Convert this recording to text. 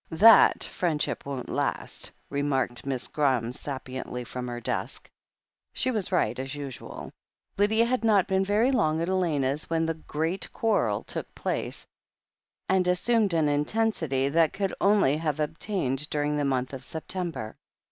"That friendship won't last," remarked Miss Gra ham sapiently, from her desk. I30 THE HEEL OF ACHILLES She was right, as usual Lydia had not been very long at Elena's when the Great Quarrel took place, and assumed an intensity that could only have obtained during the month of September.